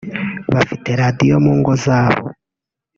bafite radiyo mu ngo zabo